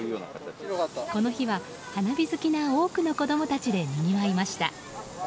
この日は花火好きな多くの子供たちでにぎわいました。